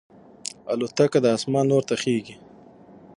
الوتکه د اسمان لور ته خېژي.